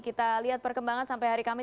kita lihat perkembangan sampai hari kami